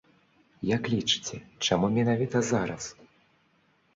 Як лічыце, чаму менавіта зараз?